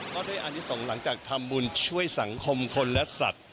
ก็ได้อันนี้ส่งหลังจากทำบุญช่วยสังคมคนและสัตว์